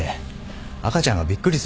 赤ちゃんがびっくりするよ。